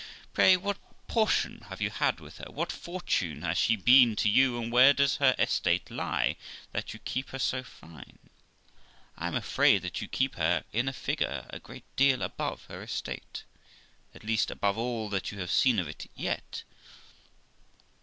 Pray what portion have you had with her? what fortune has she been to you? and where does her estate lie, that you keep her so fine? I am afraid that you keep her in a figure a great deal above her estate, at least THE LIFE OF ROXANA 345 above all that you have seen of it yet.